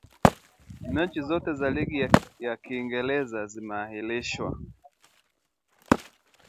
Mechi zote za Ligi ya kiingereza zimeahirishwa